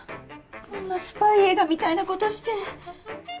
こんなスパイ映画みたいなことして。